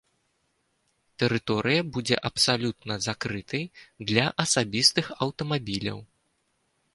Тэрыторыя будзе абсалютна закрытай для асабістых аўтамабіляў.